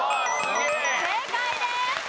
正解です。